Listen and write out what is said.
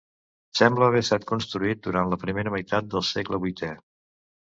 Sembla haver estat construït durant la primera meitat del segle vuitè.